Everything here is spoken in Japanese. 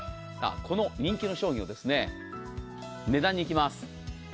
この人気の商品を値段にいきます。